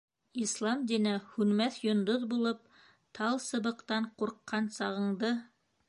Ислам дине һүнмәҫ йондоҙ булып Тал сыбыҡтан ҡурҡҡан сағыңды.